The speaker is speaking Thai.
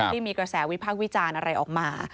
ที่มีกระแสวิพากษ์วิจารณ์อะไรออกมา